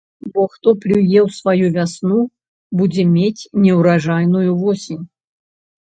Бо хто плюе ў сваю вясну, будзе мець неўраджайную восень.